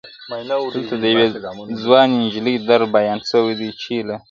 دلته د يوې ځواني نجلۍ درد بيان سوی دی چي له ,